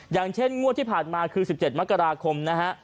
อย่างเช่นงวดที่ผ่านมาคือ๑๗มกราคมนะฮะ